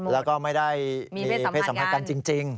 แล้วก็ไม่ได้มีเพศสัมพันธ์กันจริง